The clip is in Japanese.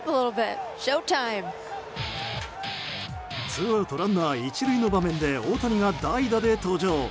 ツーアウトランナー１塁の場面で大谷が代打で登場。